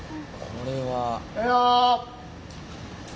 これは。